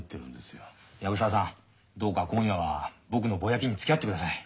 藪沢さんどうか今夜は僕のぼやきにつきあってください。